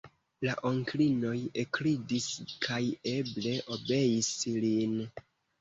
La onklinoj ekridis kaj eble obeis lin.